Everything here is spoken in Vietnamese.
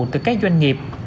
từ các doanh nghiệp